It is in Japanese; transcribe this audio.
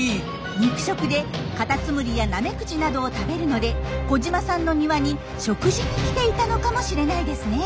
肉食でカタツムリやナメクジなどを食べるので小島さんの庭に食事に来ていたのかもしれないですね。